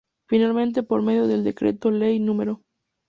Finalmente por medio del Decreto Ley No.